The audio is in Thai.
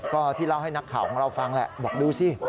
ก็ที่เล่าให้นักข่าวของเราฟังแหละบอกดูสิ